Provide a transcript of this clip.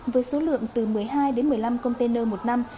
với số lượng từ một mươi hai đến một mươi năm container một năm